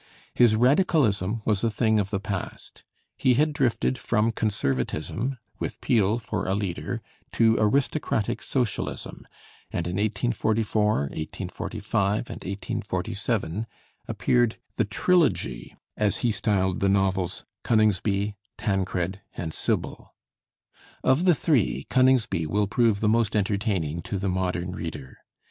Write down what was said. His radicalism was a thing of the past. He had drifted from Conservatism, with Peel for a leader, to aristocratic socialism; and in 1844, 1845, and 1847 appeared the Trilogy, as he styled the novels 'Coningsby,' 'Tancred,' and 'Sibyl.' Of the three, 'Coningsby' will prove the most entertaining to the modern reader.